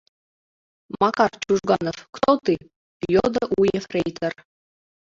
— Макар Чужганов, кто ты? — йодо у ефрейтор.